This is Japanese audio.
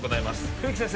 冬木先生